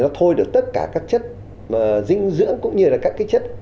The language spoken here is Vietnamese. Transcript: nó thôi được tất cả các chất dinh dưỡng cũng như là các cái chất